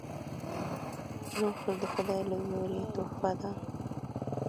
روح د خداي له لورې تحفه ده